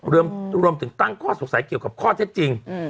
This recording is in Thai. รวมถึงตั้งข้อสงสัยเกี่ยวกับข้อเท็จจริง